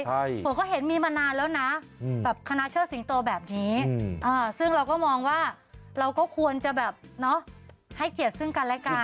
เหมือนเขาเห็นมีมานานแล้วนะแบบคณะเชิดสิงโตแบบนี้ซึ่งเราก็มองว่าเราก็ควรจะแบบเนาะให้เกียรติซึ่งกันและกัน